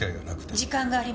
時間がありません。